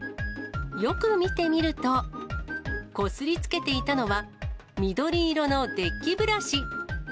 よく見てみると、こすりつけていたのは、緑色のデッキブラシ。